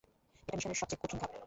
এটা মিশনের সবচেয়ে কঠিন ধাপ।